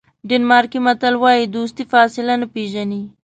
ډنمارکي متل وایي دوستي فاصله نه پیژني.